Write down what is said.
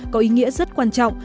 có ý nghĩa rất quan trọng